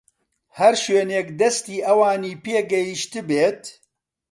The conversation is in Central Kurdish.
هەر شوێنێک دەستی ئەوانی پێگەیشتبێت